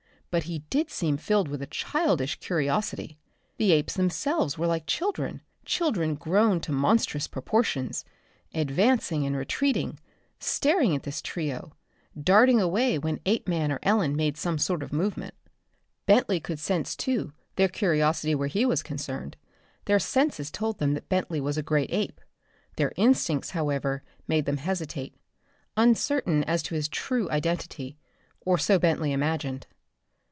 But he did seem filled with childish curiosity. The apes themselves were like children, children grown to monstrous proportions, advancing and retreating, staring at this trio, darting away when Apeman or Ellen made some sort of movement. Bentley could sense too their curiosity where he was concerned. Their senses told them that Bentley was a great ape. Their instincts, however, made them hesitate, uncertain as to his true "identity" or so Bentley imagined.